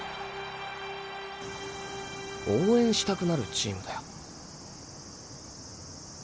応援したくなるチームだよ。